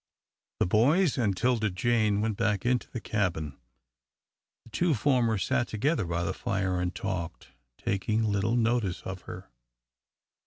The boys and 'Tilda Jane went back into the cabin. The two former sat together by the fire and talked, taking little notice of her.